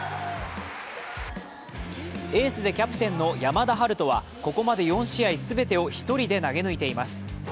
エースでキャプテンの山田陽翔はここまで４試合全てを１人で投げ抜いています。